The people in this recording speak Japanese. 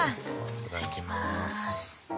いただきます。